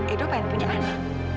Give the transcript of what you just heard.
edo pengen punya anak